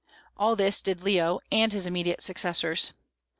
All this did Leo, and his immediate successors.